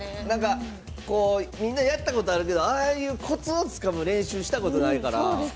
なんかみんな、やったことあるけどああいうコツをつかむ練習やったことないから。